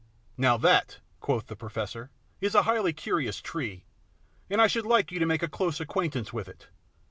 "Now that," quoth the professor, "is a highly curious tree, and I should like you to make a close acquaintance with it.